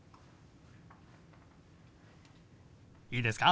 いいですか？